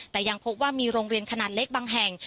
แต่ยังพบว่ามีโรงเรียนขนาดเล็กบางแห่ง